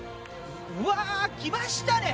うわー、来ましたね。